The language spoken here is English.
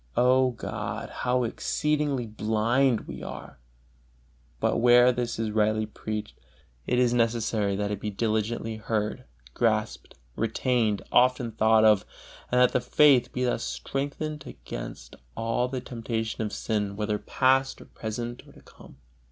O God, how exceeding blind we are! But where this is rightly preached, it is necessary that it be diligently heard, grasped, retained, often thought of, and that the faith be thus strengthened against all the temptation of sin, whether past, or present, or to come.